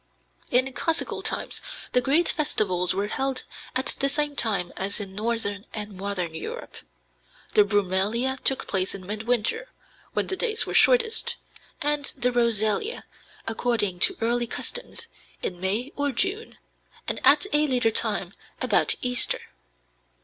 In classical times the great festivals were held at the same time as in northern and modern Europe. The brumalia took place in midwinter, when the days were shortest, and the rosalia, according to early custom in May or June, and at a later time about Easter.